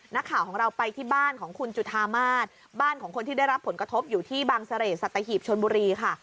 นักข่าวของเราไปที่บ้านของคุณจุธามาศบ้านของคนที่ได้รับผลกระทบอยู่ที่บางเสร่สัตหีบชนบุรีค่ะ